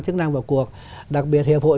chức năng vào cuộc đặc biệt hiệp hội